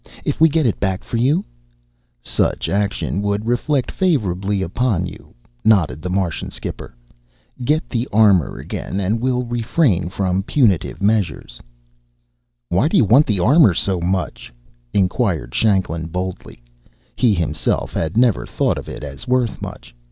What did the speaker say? If we get it back for you " "Ssuch action would rreflect favorrably upon you," nodded the Martian skipper. "Get the arrmorr again, and we will rrefrrain frrom punitive meassurress." "Why do you want that armor so much?" inquired Shanklin boldly. He himself had never thought of it as worth much.